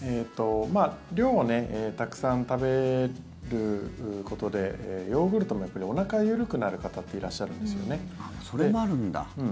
量をたくさん食べることでヨーグルトもやっぱり、おなか緩くなる方ってそれもあるんだ。